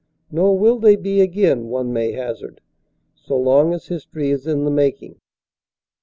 Nor will they be again, one may hazard, so long as history is in the making.